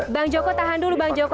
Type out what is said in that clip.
bang joko tahan dulu bang joko